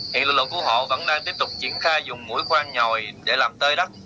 hiện lực lượng cứu hộ vẫn đang tiếp tục triển khai dùng mũi khoan nhòi để làm tơi đắt